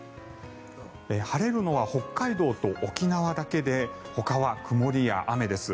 晴れるのは北海道と沖縄だけでほかは曇りや雨です。